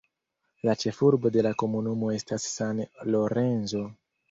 La ĉefurbo de la komunumo estas San Lorenzo.